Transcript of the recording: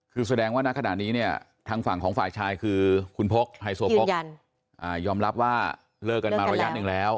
คือแสดงว่าณขณะนี้เนี่ยทางฝั่งของฝ่ายชายคือคุณพกไฮโซโพกยอมรับว่าเลิกกันมาระยะหนึ่งแล้ว